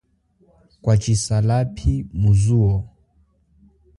Kwatshisa lapi mu zuwo.